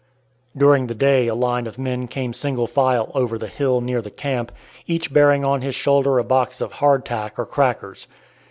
During the day a line of men came single file over the hill near the camp, each bearing on his shoulder a box of "hardtack" or crackers.